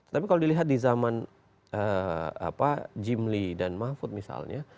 tapi kalau dilihat di zaman jimli dan mahfud misalnya